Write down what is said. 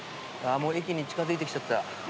もう駅に近づいてきちゃった。